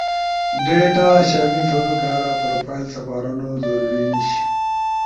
ڈیٹا شامل تھونو کارا پروفائل سپارونو ضروری نیش،